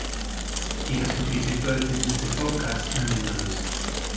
He has competed both in his default class and in others.